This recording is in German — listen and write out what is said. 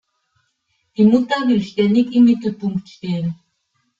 Die Mutter will ständig im Mittelpunkt stehen.